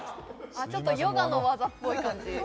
ちょっとヨガの技っぽい感じ